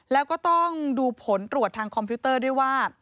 แล้วก็ต้องดูผลตรวจทางคอมพิวเตอร์ด้วยว่า